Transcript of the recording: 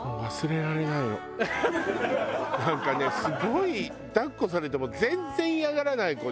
なんかねすごい抱っこされても全然嫌がらない子で。